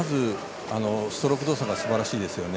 ストローク動作がすばらしいですよね。